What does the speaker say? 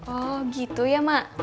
oh gitu ya mak